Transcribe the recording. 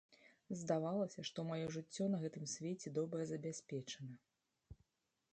Здавалася, што маё жыццё на гэтым свеце добра забяспечана.